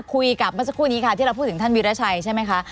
คุยกับเมื่อสักครู่นี้ค่ะที่เราพูดถึงท่านวิราชัยใช่ไหมคะ